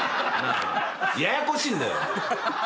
ややこしいんだよ！